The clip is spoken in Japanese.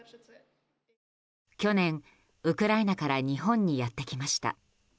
去年、ウクライナから日本にやってきました。